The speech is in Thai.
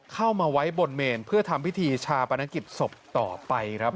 เข้ามาไว้บนเมนเพื่อทำพิธีชาปนกิจศพต่อไปครับ